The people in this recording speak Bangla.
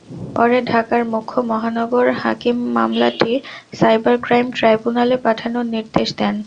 পরে ঢাকার মুখ্য মহানগর হাকিম মামলাটি সাইবার ক্রাইম ট্রাইব্যুনালে পাঠানোর নির্দেশ দেন।